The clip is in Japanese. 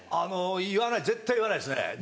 言わない絶対言わないですね。